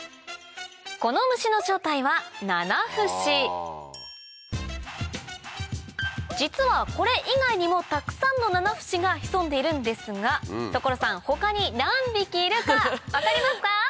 この虫の正体はナナフシ実はこれ以外にもたくさんのナナフシが潜んでいるんですが所さん他に何匹いるか分かりますか？